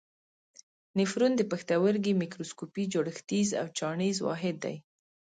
نفرون د پښتورګي میکروسکوپي جوړښتیز او چاڼیز واحد دی.